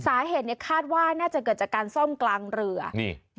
สาเหตุเนี่ยคาดว่าน่าจะเกิดจากการซ่อมกลางเรือนี่